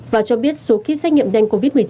và cho biết số kit xét nghiệm nhanh covid một mươi chín